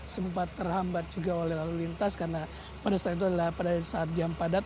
sempat terhambat juga oleh lalu lintas karena pada saat itu adalah pada saat jam padat